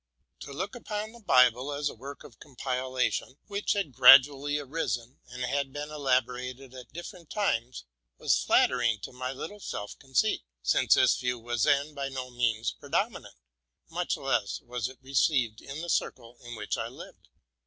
To look upon the Bible as a work of compi lation, which had gradually arisen, and had been elaborated at different times, was flattering to my little self conceit, since this view was then by no means predominant, — much less was it received in the circle in which I lived.